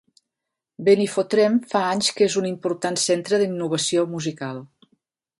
Benifotrem fa anys que és un important centre d'innovació musical.